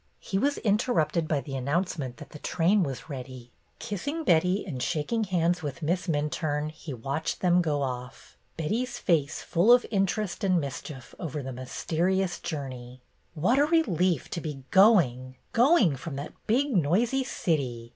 He was interrupted by the announcement that the train was ready. Kissing Betty and shaking hands with Miss Minturne, he watched them go off, Betty's face full of interest and mischief over the mysterious journey. "What a relief to be going, going from that big, noisy city!"